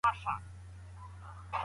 افغان ماشومان د کار کولو مساوي حق نه لري.